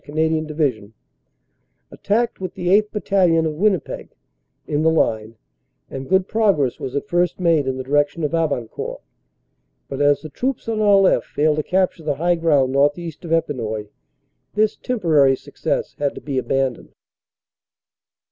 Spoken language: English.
Canadian Division, attacked with the 8th. Bat talion, of Winnipeg, in the line, and good progress was at first made in the direction of Abancourt, but as the troops on our left failed to capture the high ground northeast of Epinoy, this temporary success had to be abandoned.